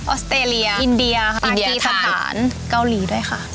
อสเตรเลียอินเดียค่ะอินกีสถานเกาหลีด้วยค่ะ